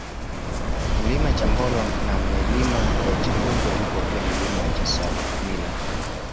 Mlima Chambolo na Milima ya Changuge ipo pia Milima ya Chasamila